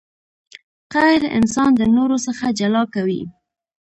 قهر انسان د نورو څخه جلا کوي.